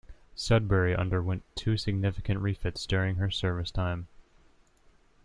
"Sudbury" underwent two significant refits during her service time.